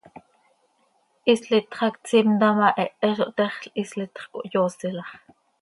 Hislitx hac tsimta ma, hehe zo htexl, hislitx cohyooselax.